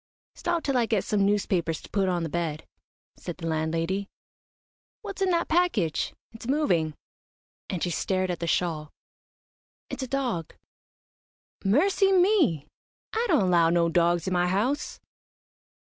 "Stop till I get some newspapers to put on the bed," said the landlady "what's in that package? It's moving," and she stared at the shawl. "It's a dog." "Mercy me! I don't allow no dogs in my house."